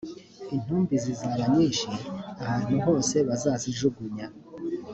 intumbi zizaba nyinshi ahantu hose bazazijugunya